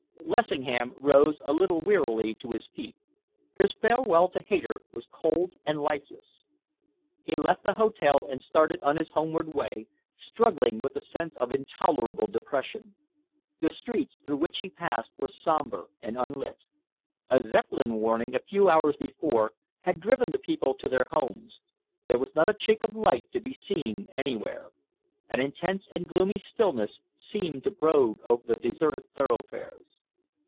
Lessingham rose a little wearily to his feet. His farewell to Hayter was cold and lifeless. He left the hotel and started on his homeward way, struggling with a sense of intolerable depression. The streets through which he passed were sombre and unlit. A Zeppelin warning, a few hours before, had driven the people to their homes. There was not a chink of light to be seen anywhere. An intense and gloomy stillness seemed to brood over the deserted thoroughfares.